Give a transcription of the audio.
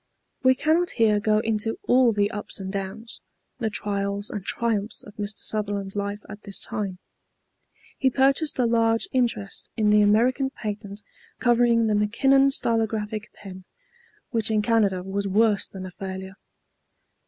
We cannot here go into all the ups and downs, the trials and triumphs of Mr. Sutherland's life at this time. He purchased a large interest in the American patent covering the McKinnon stylographic pen, which in Canada was worse than a failure.